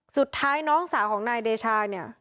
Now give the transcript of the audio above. สุดท้ายน้องสาวของนายเดชาเนี่ย